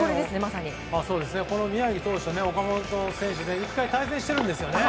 この宮城投手と岡本選手は１回、対戦しているんですね。